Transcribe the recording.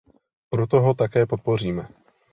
Proto ho také podpoříme.